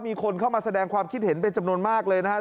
มีคนเข้ามาแสดงความคิดเห็นเป็นจำนวนมากเลยนะครับ